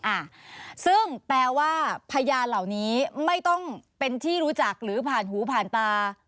อ่าซึ่งแปลว่าพยานเหล่านี้ไม่ต้องเป็นที่รู้จักหรือผ่านหูผ่านตา